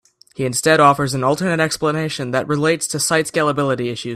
He instead offers an alternate explanation that relates to site scalability issues.